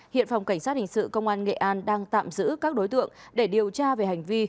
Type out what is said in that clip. hiện phòng cảnh sát hình sự công an nghệ an đang tạm giữ các đối tượng để điều tra về hành vi